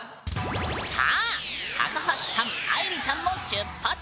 さあ高橋さん愛莉ちゃんも出発！